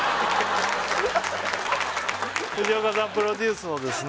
藤岡さんプロデュースのですね